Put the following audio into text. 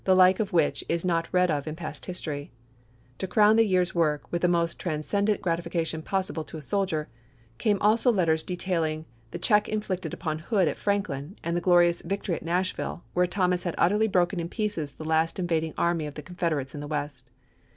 like of which is not read of in past history." To n>id.,p.'287. crown the year's work with the most transcendent gratification possible to a soldier, came also letters 494 ABEAHAM LINCOLN chap. xx. detailing the check inflicted upon Hood at Franklin, and the glorious victory at Nashville, where Thomas had utterly broken in pieces the last invading army of the Confederates in the West.